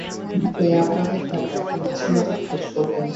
এ আপনাদের টাকা, আপনারা ইচ্ছামত খরচ করবেন।